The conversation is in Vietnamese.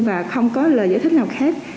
và không có lời giải thích nào khác